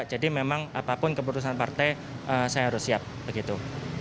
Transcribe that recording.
jadi memang apapun keputusan partai saya harus siap begitu